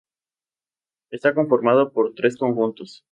Está conformado por tres conjuntos.